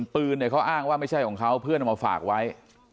ปืนเนี่ยเขาอ้างว่าไม่ใช่ของเขาเพื่อนเอามาฝากไว้